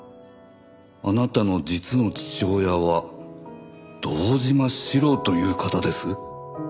「あなたの実の父親は堂島志郎という方です」